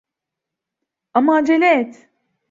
Ama acele et.